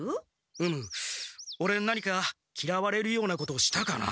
うむオレ何かきらわれるようなことしたかな？